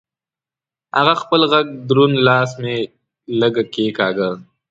هغه خپل غټ دروند لاس مې لږه کېګاږه.